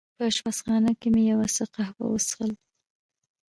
په اشپزخانه کې مې یو څه قهوه وڅېښل.